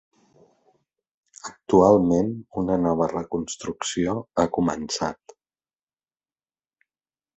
Actualment, una nova reconstrucció ha començat.